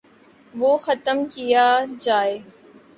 وہ ختم کیا جائے۔